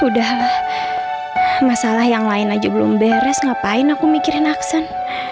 udah lah masalah yang lain aja belum beres ngapain aku mikirin aksan